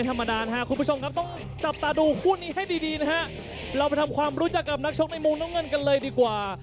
เราไปทำความรู้จักกับนักชกในมุมน้ำเงินกันเลยดีกว่า